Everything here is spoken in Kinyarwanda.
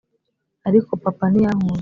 ariko papa ntiyankunze